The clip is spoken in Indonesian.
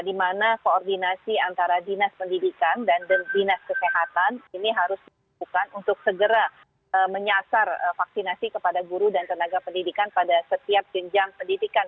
di mana koordinasi antara dinas pendidikan dan dinas kesehatan ini harus dilakukan untuk segera menyasar vaksinasi kepada guru dan tenaga pendidikan pada setiap jenjang pendidikan